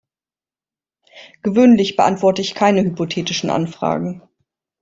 Gewöhnlich beantworte ich keine hypothetischen Anfragen.